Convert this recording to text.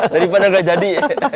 daripada gak jadi